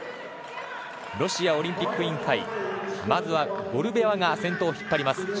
ロシアオリンピック委員会まずはゴルベワが先頭を引っ張ります。